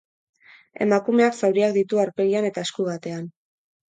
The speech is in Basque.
Emakumeak zauriak ditu aurpegian eta esku batean.